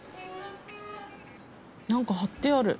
なんか貼ってある。